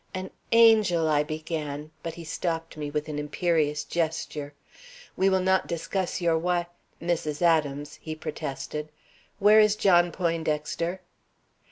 "An angel!" I began, but he stopped me with an imperious gesture. "We will not discuss your wi Mrs. Adams," he protested. "Where is John Poindexter?"